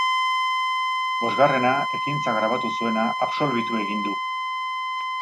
Bosgarrena, ekintza grabatu zuena, absolbitu egin du.